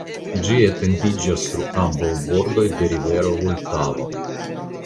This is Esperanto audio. Ĝi etendiĝas sur ambaŭ bordoj de rivero Vultavo.